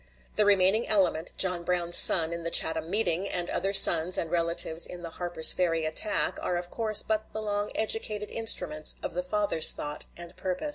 The remaining element, John Brown's son in the Chatham meeting, and other sons and relatives in the Harper's Ferry attack, are of course but the long educated instruments of the father's thought and purpose.